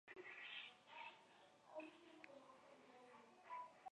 Era un gran especialista en la música de Mozart, Dvorak, Wagner y Richard Strauss.